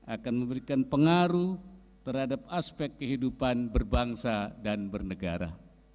akan memberikan pengaruh terhadap aspek kehidupan berbangsa dan bernegara